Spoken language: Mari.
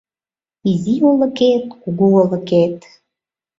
Изи олыкет, кугу олыкет —